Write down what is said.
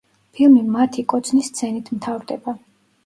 ფილმი მათი კოცნის სცენით მთავრდება.